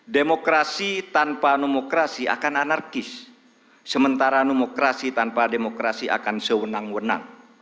demokrasi tanpa nomokrasi akan anarkis sementara nomokrasi tanpa demokrasi akan sewenang wenang